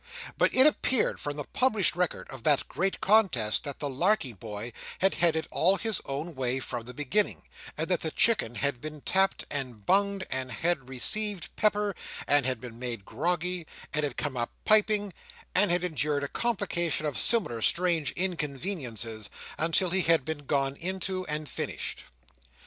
But it appeared from the published records of that great contest that the Larkey Boy had had it all his own way from the beginning, and that the Chicken had been tapped, and bunged, and had received pepper, and had been made groggy, and had come up piping, and had endured a complication of similar strange inconveniences, until he had been gone into and finished.